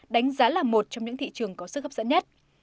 đánh giá là một trong những thị trường có sức hấp dẫn nhất